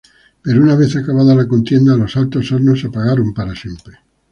Pero una vez acabada la contienda los altos hornos se apagaron para siempre.